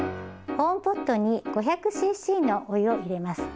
保温ポットに５００ｃｃのお湯を入れます。